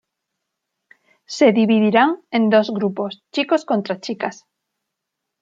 Se dividirán en dos grupos: chicos contra chicas.